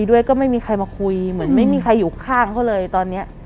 ด้วยก็ไม่มีใครมาคุยเหมือนไม่มีใครอยู่ข้างเขาเลยตอนนี้